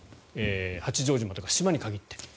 八丈島とか島に限って。